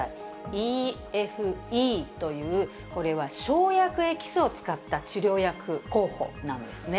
ＥＦＥという、これは生薬エキスを使った治療薬候補なんですね。